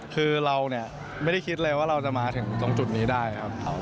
คือเราเนี่ยไม่ได้คิดเลยว่าเราจะมาถึงตรงจุดนี้ได้ครับ